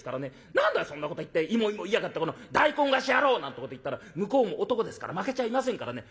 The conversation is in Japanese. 『何だいそんなこと言って芋芋言いやがってこの大根河岸野郎！』なんてこと言ったら向こうも男ですから負けちゃいませんからね